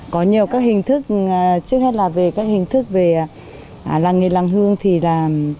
có nhiều các hình thức trước hết là về các hình thức về làng nghề làng hương thì là